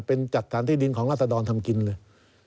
เป็นจัดการที่ดินของราศดรทำกินเลย